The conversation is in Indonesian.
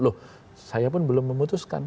loh saya pun belum memutuskan